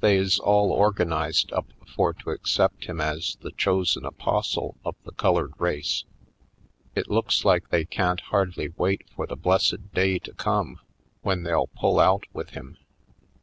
They is all organized up for to accept him as the chosen apostle of the colored race. It looks like they can't hardly wait for the blessed day to come when they'll pull out with him.